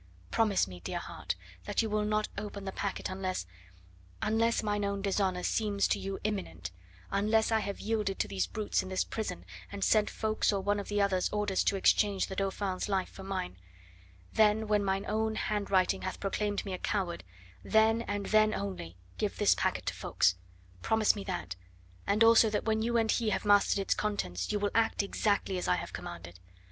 Promise me, dear heart, that you will not open the packet unless unless mine own dishonour seems to you imminent unless I have yielded to these brutes in this prison, and sent Ffoulkes or one of the others orders to exchange the Dauphin's life for mine; then, when mine own handwriting hath proclaimed me a coward, then and then only, give this packet to Ffoulkes. Promise me that, and also that when you and he have mastered its contents you will act exactly as I have commanded.